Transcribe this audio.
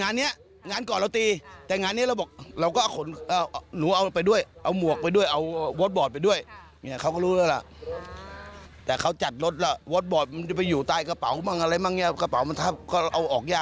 อันนั้นน่ะเราก็เอาขึ้นรถไปด้วยเออเอาหมวกไปด้วย